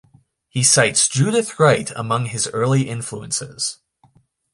He cites Judith Wright among his early influences.